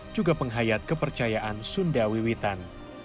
juga penghayat kepercayaan sunda wiwitan